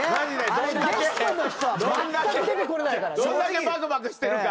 どれだけバクバクしてるか。